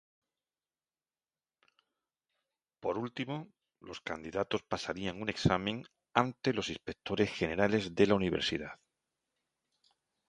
Por último, los candidatos pasarían un examen ante los inspectores generales de la Universidad.